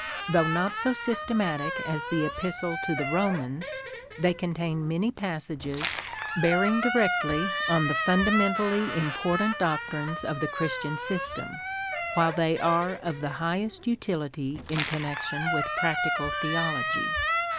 Though not so systematic as the Epistle to the Romans, they contain many passages, bearing directly on the fundamentally important doctrines of the Christian system, while they are of the highest utility in connection with Practical Theology.